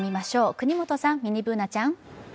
國本さん、ミニＢｏｏｎａちゃん。